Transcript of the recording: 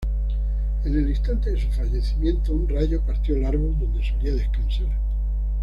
En el instante de su fallecimiento, un rayo partió el árbol donde solía descansar.